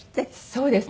そうですね。